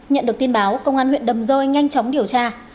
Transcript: nhận được tin báo công an huyện đầm rơi nhanh chóng điều tra